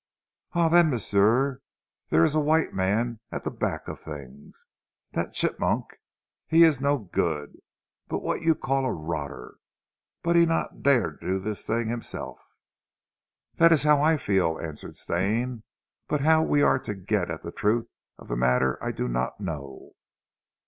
"Ah! then, m'sieu, dere ees a white man at zee back of things. Dat Chigmok, he ees no good, he what you call a rotter, but he not dare to do this ting heemself." "That is how I feel," answered Stane. "But how we are to get at the truth of the matter, I do not know."